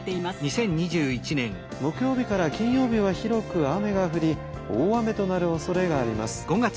「木曜日から金曜日は広く雨が降り大雨となるおそれがあります」。